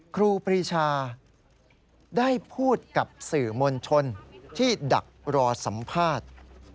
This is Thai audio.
ครูปรีชาได้พูดกับสื่อมวลชนที่ดักรอสัมภาษณ์